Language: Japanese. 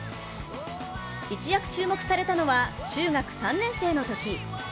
一躍注目されたのは、中学３年生のとき。